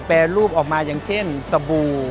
แปรรูปออกมาอย่างเช่นสบู่